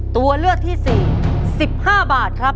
ตัวเลือกที่๔๑๕บาทครับ